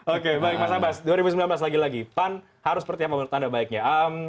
oke baik mas abbas dua ribu sembilan belas lagi lagi pan harus seperti apa menurut anda baiknya